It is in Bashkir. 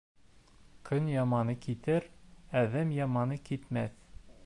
Көн яманы китер, әҙәм яманы китмәҫ.